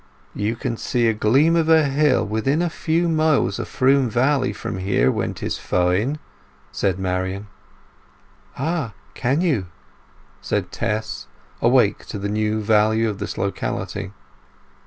"You can see a gleam of a hill within a few miles o' Froom Valley from here when 'tis fine," said Marian. "Ah! Can you?" said Tess, awake to the new value of this locality.